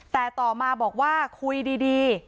แต่ต่อมาบอกว่าคุยดี